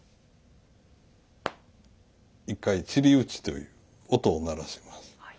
１回ちり打ちという音を鳴らします。